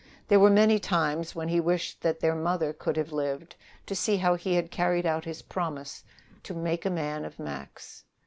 There were many times when he wished that their mother could have lived to see how he had carried out his promise to "make a man of Max."